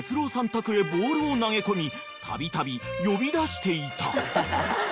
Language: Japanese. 宅へボールを投げ込みたびたび呼び出していた］